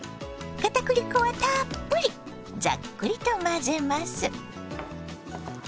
かたくり粉はたっぷりざっくりと混ぜます。